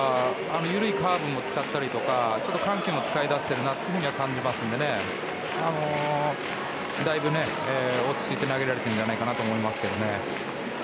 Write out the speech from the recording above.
緩いカーブを使ったり緩急を使い出してるなと感じますのでだいぶ落ち着いて投げられていると思いますね。